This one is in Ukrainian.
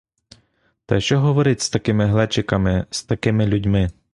Та що й говорить з такими глечиками, з такими людьми!